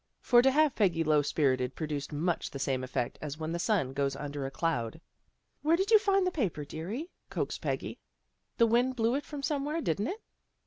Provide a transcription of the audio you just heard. For to have Peggy low spirited produced much the same effect as when the sun goes under a cloud. " Where did you find the paper, dearie? " coaxed Peggy. " The wind blew it from some where, didn't it?"